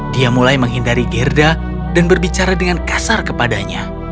dia mulai menghindari gerda dan berbicara dengan kasar kepadanya